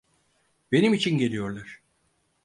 Benim için geliyorlar.